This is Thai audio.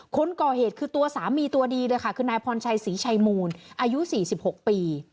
คนก่อเหตุคือตัวสามีตัวดีเลยค่ะคือนายพรชัยศรีชัยมูลอายุ๔๖ปี